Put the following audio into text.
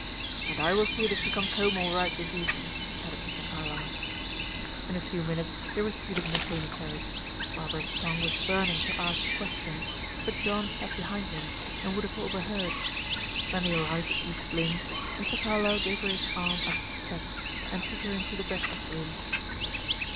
"And I will see that she comes home all right this evening," added Mr. Carlyle. In a few minutes they were seated in the pony carriage. Barbara's tongue was burning to ask questions, but John sat behind them, and would have overheard. When they arrived at East Lynne, Mr. Carlyle gave her his arm up the steps, and took her into the breakfast room.